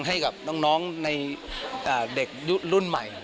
ให้กับน้องในเด็กรุ่นใหม่